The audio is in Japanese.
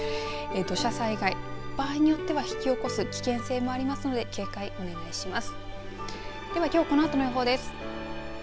土砂災害、場合によっては引き起こす危険性もありますので警戒をお願いします。